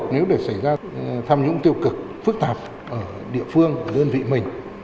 nếu để xảy ra tham nhũng tiêu cực phức tạp ở địa phương ở dân vị mình